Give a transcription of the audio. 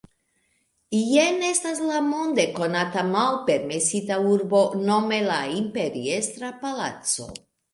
Jen estas la monde konata Malpermesita Urbo, nome la Imperiestra Palaco.